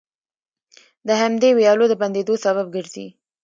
د همدې ويالو د بندېدو سبب ګرځي،